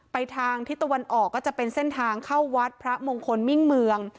ทางทิศตะวันออกก็จะเป็นเส้นทางเข้าวัดพระมงคลมิ่งเมือง